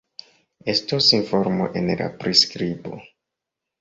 Estos informo en la priskribo